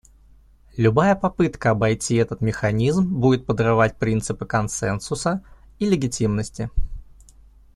Любая попытка обойти этот механизм будет подрывать принципы консенсуса и легитимности.